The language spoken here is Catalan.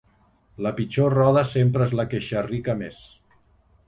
La pitjor roda sempre es la que xerrica més.